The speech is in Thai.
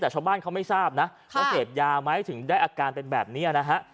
แต่ชาวบ้านเขาไม่ทราบนะว่าเสพยาไหมถึงได้อาการเป็นแบบนี้นะฮะ